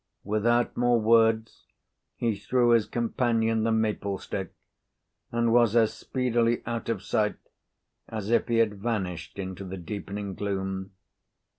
Without more words, he threw his companion the maple stick, and was as speedily out of sight as if he had vanished into the deepening gloom.